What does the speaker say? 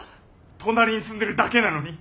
隣に住んでるだけなのに。